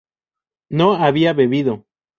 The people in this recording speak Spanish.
no había bebido